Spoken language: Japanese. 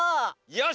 よし！